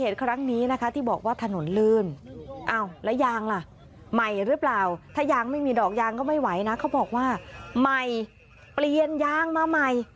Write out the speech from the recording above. ถ้ายางไม่มีดอกยางก็ไม่ไหวนะเขาบอกว่าใหม่เปลี่ยนยางมาใหม่